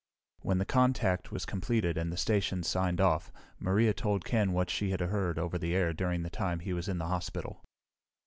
When the contact was completed and the stations signed off, Maria told Ken what she had heard over the air during the time he was in the hospital.